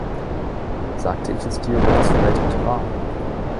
Sagte ich es dir, wird es vielleicht nicht wahr.